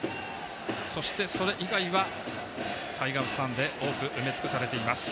そして、それ以外はタイガースファンで多く埋め尽くされています。